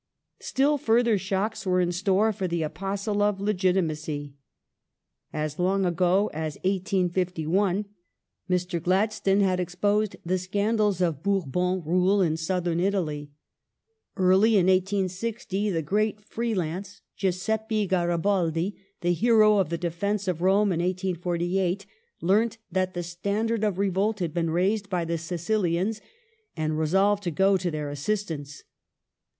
Still further shocks were in store for the apostles of *' legiti Garibaldi macy". As long ago as 1851 Mr. Gladstone had exposed the^^^^g^^^ scandals of Bourbon rule in Southern Italy. Early in 1860 the great free lance Giuseppi Garibaldi — the hero of the Defence of Rome in 1848 — learnt that the standard of revolt had been raised by the Sicilians, and resolved to go to their assistance.